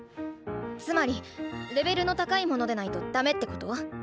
つまりレベルの高いものでないとダメってこと？